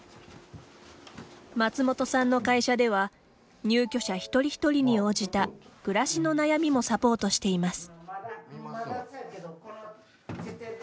松本さんの会社では入居者一人一人に応じた暮らしの悩みもサポートしています。